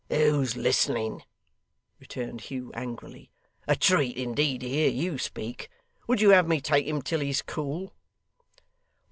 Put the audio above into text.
'Who's listening?' returned Hugh angrily. 'A treat, indeed, to hear YOU speak! Would you have me take him in till he's cool?